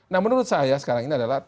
nah menurut saya sekarang ini adalah